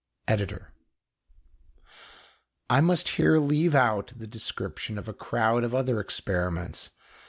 ED.] I must here leave out the description of a crowd of other experiments.